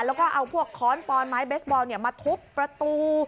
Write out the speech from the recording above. แล้วก็เอาพวกค้อนปอนไม้เบสบอลมาทุบประตู